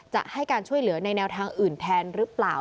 จะให้การช่วยเหลือในแนวทางอื่นแทนหรือเปล่า